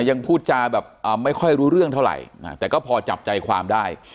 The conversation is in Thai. ยังพูดจาแบบไม่ค่อยรู้เรื่องเท่าไหร่แต่ก็พอจับใจความได้